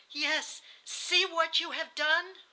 "'Yes, see what you have done!